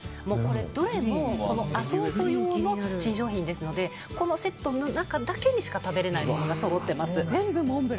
どれもアソート用の新商品ですのでこのセットの中だけでしか食べられないものがそろってます。